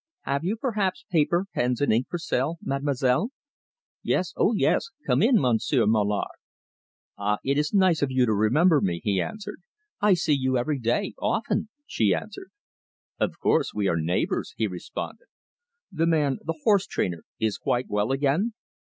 "Have you, perhaps, paper, pens, and ink for sale, Mademoiselle?" "Yes, oh yes; come in, Monsieur Mallard." "Ah, it is nice of you to remember me," he answered. "I see you every day often," she answered. "Of course, we are neighbours," he responded. "The man the horse trainer is quite well again?"